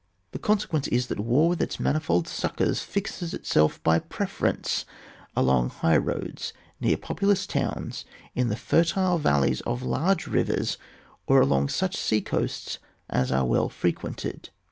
The consequence is, that war with its manifold suckers fixes itself by preference along high roads, near populous towns, in the fertile valleys of large rivers, or along such sea coasts as are well frequented.